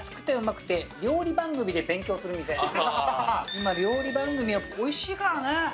今、料理番組、おいしいからね。